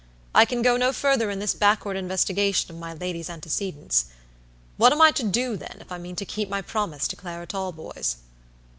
I can go no further in this backward investigation of my lady's antecedents. What am I to do, then, if I mean to keep my promise to Clara Talboys?"